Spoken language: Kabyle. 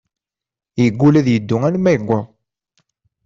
Yegull ad yeddu alma yuweḍ.